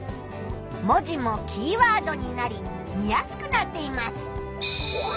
文字もキーワードになり見やすくなっています。